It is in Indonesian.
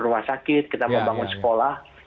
rumah sakit kita membangun sekolah